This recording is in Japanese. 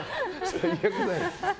最悪だよ。